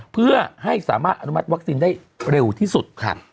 เพื่อให้สามารถอนุมัติวัคซีนได้เร็วที่สุด